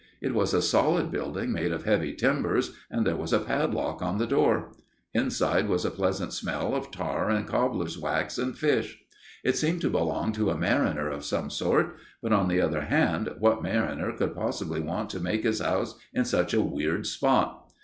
It was a solid building made of heavy timbers, and there was a padlock on the door. Inside was a pleasant smell of tar and cobbler's wax and fish. It seemed to belong to a mariner of some sort; but, on the other hand, what mariner could possibly want to make his house in such a weird spot?